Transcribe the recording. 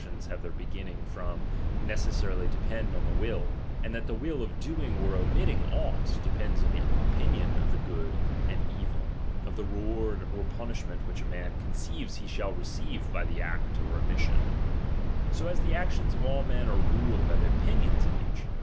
~, ii i longs to bini like have thcir oegmnmg irom, and necessarily depend on the will ; and that the will of doing or omitting ■ aught, depends on the opinion of the good and evil, of the reward or punishment which a man conceives he shall receive by the act or omission : so as the actions of all men are ruled by the opinions of each.